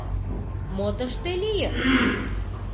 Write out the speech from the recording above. — Мо тыште лийын?